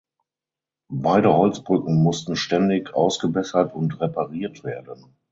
Beide Holzbrücken mussten ständig ausgebessert und repariert werden.